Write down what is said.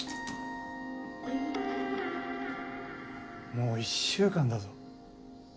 もう１週間だぞ。